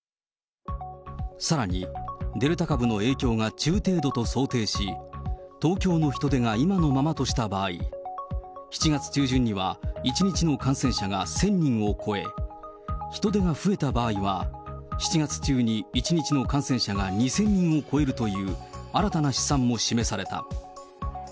さらに、デルタ株の影響が中程度と想定し、東京の人出が今のままとした場合、７月中旬には１日の感染者が１０００人を超え、人出が増えた場合は７月中に１日の感染者が２０００人を超えるという新たな試算も示された。